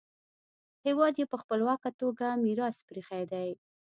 هېواد یې په خپلواکه توګه میراث پریښی دی.